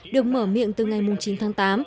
được mở miệng từ ngày chín tháng tám